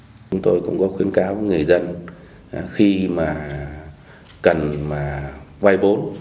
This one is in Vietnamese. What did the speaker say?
chúng tôi cũng có khuyến cáo người dân khi mà cần vay vốn